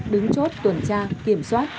đứng chốt tuần tra kiểm soát